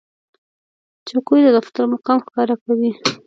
چوکۍ د دفتر مقام ښکاره کوي.